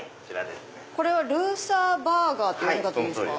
これはルーサーバーガーと読むんですか？